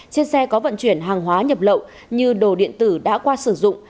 trên xe có vận chuyển hàng hóa nhập lậu như đồ điện tử đã qua sử dụng